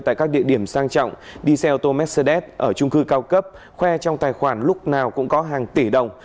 tại các địa điểm sang trọng đi xe ô tô mercedes ở trung cư cao cấp khoe trong tài khoản lúc nào cũng có hàng tỷ đồng